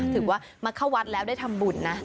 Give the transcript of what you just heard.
ถือว่ามาเข้าวัดแล้วได้ทำบุญนะ